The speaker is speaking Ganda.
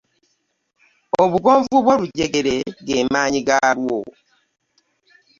Obugonvu bw'olujegere g'emaanyi g'alwo.